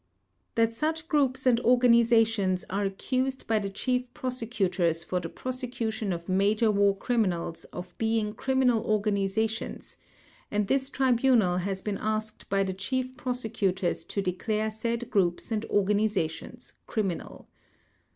THAT such groups and organizations are accused by the Chief Prosecutors for the prosecution of major war criminals of being criminal organizations and this Tribunal has been asked by the Chief Prosecutors to declare said groups and organizations criminal.